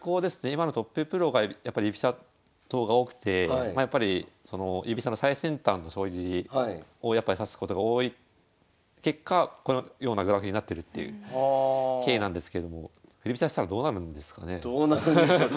今のトッププロがやっぱり居飛車党が多くてやっぱりその居飛車の最先端の将棋を指すことが多い結果このようなグラフになってるっていう経緯なんですけどもどうなるんでしょう？